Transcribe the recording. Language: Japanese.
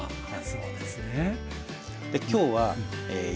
そうですね。